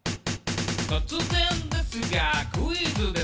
「突然ですがクイズです」